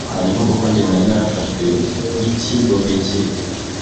Hanyuma kuko njye nari narafashwe nk’icyigomeke